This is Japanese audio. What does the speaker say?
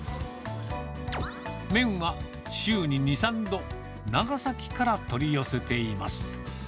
麺は週に２、３度、長崎から取り寄せています。